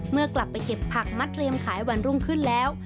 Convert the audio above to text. เมื่อกลับไปเก็บผักมัดเรียมขายวันรุ่งขึ้นแล้ว